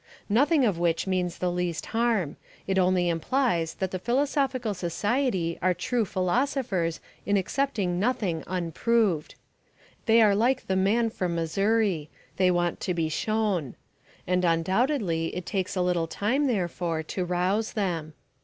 Nothing of which means the least harm. It only implies that the Philosophical Society are true philosophers in accepting nothing unproved. They are like the man from Missouri. They want to be shown. And undoubtedly it takes a little time, therefore, to rouse them.